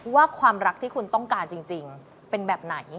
ว่าความรักที่คุณต้องการจริงเป็นแบบไหน